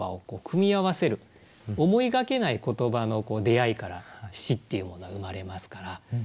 思いがけない言葉の出会いから詩っていうものは生まれますから。